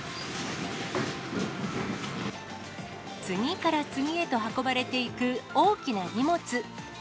次から次へと運ばれていく大きな荷物。